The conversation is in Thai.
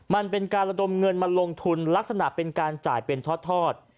มันเป็นการระดมเงินมาลงทุนลักษณะเป็นการจ่ายเป็นทอด